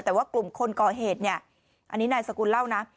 แต่ว่ากลุ่มคนก่อเหตุเนี่ยอันนี้นายสกุลเล่านะ